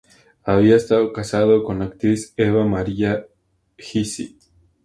Había estado casado con la actriz Eva-Maria Hesse.